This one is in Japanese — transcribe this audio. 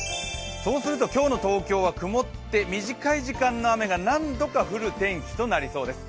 そうすると今日の東京は曇って短い時間の雨が何度か降る天気となりそうです。